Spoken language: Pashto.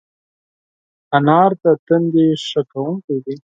انار د تندي ښه کوونکی دی.